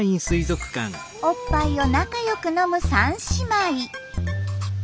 おっぱいを仲良く飲む三姉妹。